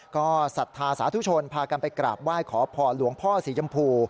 ก็ศรัทธาสาธุชนพากันไปกราบไหว้ขอพรหลวงพ่อสียำพู